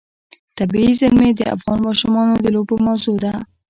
طبیعي زیرمې د افغان ماشومانو د لوبو موضوع ده.